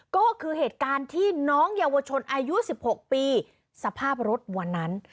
ก็คือเหตุการณ์ที่น้องเยาวชนอายุ๑๖ปีสภาพรถวันนั้น